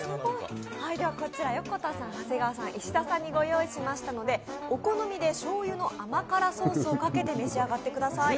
こちら、横田さん、長谷川さん石田さんにご用意しましたのでお好みでしょうゆの甘辛ソースをかけて召し上がってください。